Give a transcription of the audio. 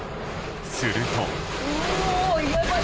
すると。